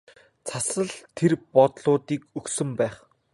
Цас л тэр бодлуудыг өгсөн байх.